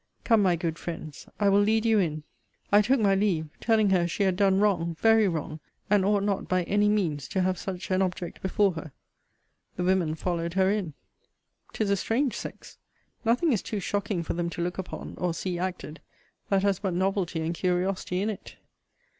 Come, my good friends, I will lead you in. I took my leave; telling her she had done wrong, very wrong; and ought not, by any means, to have such an object before her. The women followed her in. 'Tis a strange sex! Nothing is too shocking for them to look upon, or see acted, that has but novelty and curiosity in it.